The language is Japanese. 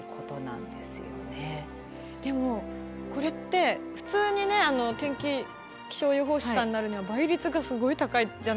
でもこれって普通に天気気象予報士さんになるには倍率がすごい高いじゃないですか。